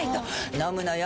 飲むのよ